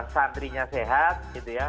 santrinya sehat gitu ya